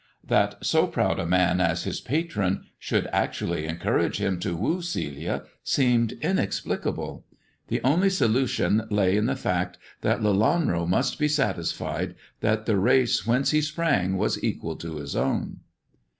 That so proud a man as his patron should actually encourage him to woo Celia seemed inexplicable. The only solution lay in the fact that Lelanro must be satisfied that the race whence he sprang was equal to his own.